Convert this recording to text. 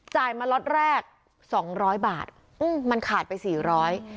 จ่ายมาล็อตแรก๒๐๐บาทมันขาดไป๔๐๐บาท